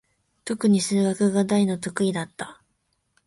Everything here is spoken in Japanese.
とくに数学が大の得意だった。